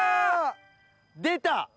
出た！